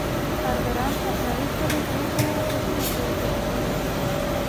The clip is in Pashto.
کارګران په اسانۍ سره دې ته نشي متوجه کېدای